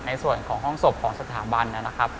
ในส่วนของห้องศพของสถาบัน